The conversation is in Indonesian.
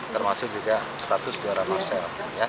termasuk juga status juara parsel